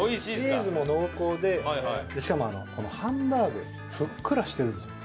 チーズも濃厚でしかもこのハンバーグふっくらしてるんですよ。